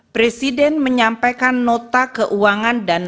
presiden menyampaikan nota keuangan dan